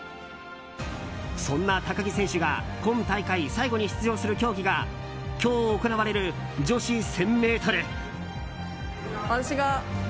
そんな高木選手が今大会最後に出場する競技が今日行われる女子１０００ｍ。